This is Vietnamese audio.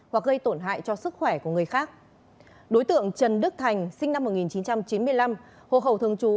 hoặc gây tổn hại cho sức khỏe của người khác đối tượng trần đức thành sinh năm một nghìn chín trăm chín mươi năm hồ khẩu thường trú